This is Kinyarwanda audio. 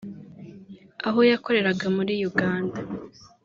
Aho yakoreraga muri Uganda